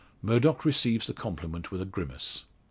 Murdock receives the compliment with a grimace.